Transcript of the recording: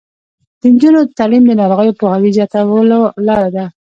د نجونو تعلیم د ناروغیو پوهاوي زیاتولو لاره ده.